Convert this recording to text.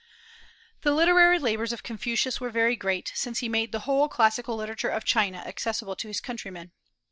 The literary labors of Confucius were very great, since he made the whole classical literature of China accessible to his countrymen.